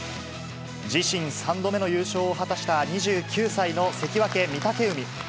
自身３度目の優勝を果たした２９歳の関脇・御嶽海。